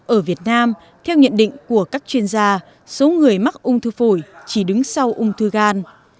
ở việt nam theo nhận định của các chuyên gia số người mắc ung thư phổi chỉ đứng sau ung thư gan